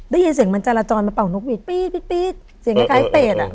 ได้ยินเสียงมันจราจรมาเป่านกหวีดปี๊ดเสียงคล้ายเปรตอ่ะ